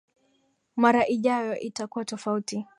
Mara ijayo itakuwa tofauti.